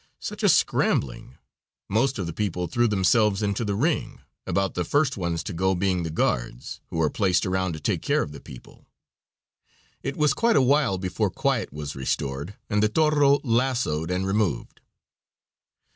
Such a scrambling! Most of the people threw themselves into the ring, about the first ones to go being the guards, who are placed around to take care of the people. It was quite a while before quiet was restored, and the toro lassoed and removed.